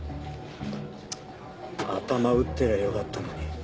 頭打ってりゃよかったのに。